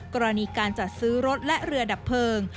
กรณีการจัดซื้อรถและเรือดับเพลิง